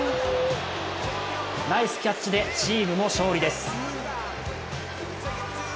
ナイスキャッチでチームも勝利です。